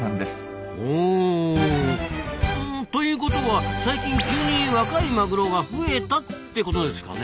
ほうということは最近急に若いマグロが増えたってことですかね？